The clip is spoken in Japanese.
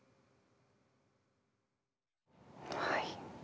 はい。